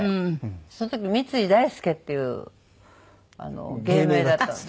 その時三井大介っていう芸名だったのね。